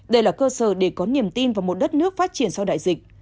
đây là cơ sở để có niềm tin vào một đất nước phát triển sau đại dịch